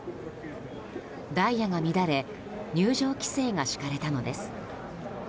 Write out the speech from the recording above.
ダイヤが乱れ入場規制が敷かれたのです。